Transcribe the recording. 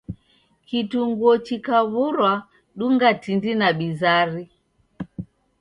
Kitunguo chikaw'urwa dunga tindi na bizari.